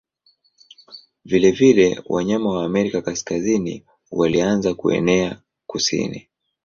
Vilevile wanyama wa Amerika Kaskazini walianza kuenea kusini.